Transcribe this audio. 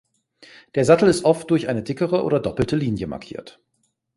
Der Sattel ist oft durch eine dickere oder doppelte Linie markiert.